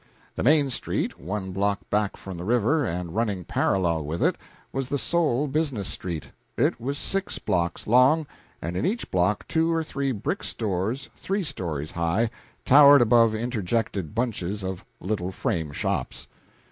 The main street, one block back from the river, and running parallel with it, was the sole business street. It was six blocks long, and in each block two or three brick stores three stories high towered above interjected bunches of little frame shops.